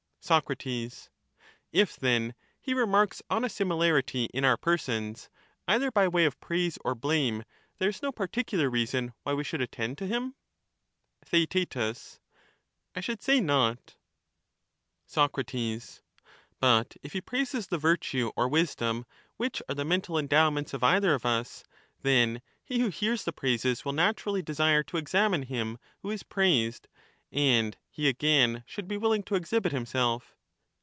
Soc, If, then, he remarks on a similarity in our persons, either by way of praise or blame, there is no particular reason why we should attend to him. Theaet. I should say not. 145 Digitized by VjOOQIC What is knowledge? 197 Soc, But if he praises the virtue or wisdom which are Theaeteius, the mental endowments of either of us, then he who hears socrates, the praises will naturally desire to examine him who is THEAErrrus. praised : and he again should be willing to exhibit himself.